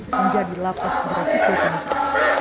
menjadi lapas beresiko peninggalan